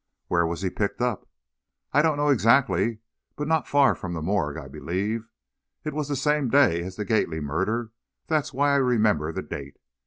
"Where was he picked up?" "I don't know exactly, but not far from the morgue, I believe. It was the same day as the Gately murder, that's why I remember the date.